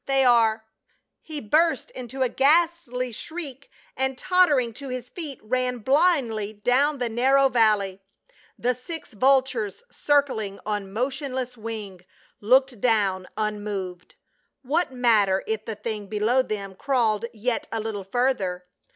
They are —" He burst into a ghastly shriek, and tottering to his feet ran blindly down the narrow valley. The six vultures, circling on motionless wing, looked down unmoved. What matter if the thing below them crawled yet a little further.